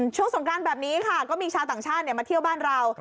สงการแบบนี้ค่ะก็มีชาวต่างชาติมาเที่ยวบ้านเรา